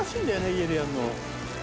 家でやるの。